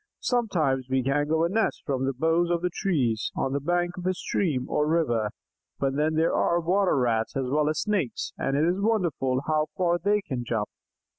Sometimes we hang our nests from the boughs of trees on the bank of a stream or river, but then there are Water Rats as well as Snakes, and it is wonderful how far they can jump."